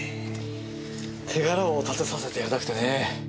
手柄を立てさせてやりたくてね。